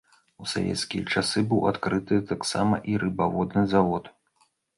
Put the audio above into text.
У савецкія часы быў адкрыты таксама і рыбаводны завод.